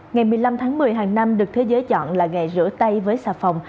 ngày một mươi năm tháng một mươi hàng năm được thế giới chọn là ngày rửa tay với xà phòng